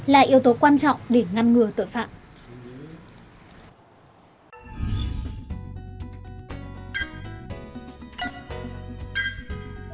là yếu tố quan trọng để ngăn ngừa tội phạm